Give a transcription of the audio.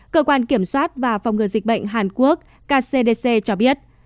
cơ quan kiểm soát và phòng ngừa dịch bệnh hàn quốc kcdc cho biết